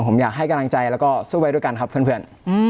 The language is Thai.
ผมอยากให้กำลังใจแล้วก็สู้ไว้ด้วยกันครับเพื่อน